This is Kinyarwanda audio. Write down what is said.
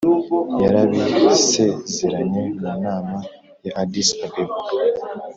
yarabisezeranye mu nama ya addis-abeba.